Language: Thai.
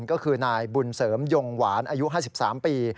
ก็คือนายบุญเสริมยงหวานอายุ๕๓ปี